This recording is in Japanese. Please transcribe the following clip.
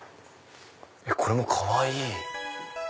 これもかわいい！